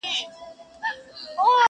د لباس كيسې عالم وې اورېدلي٫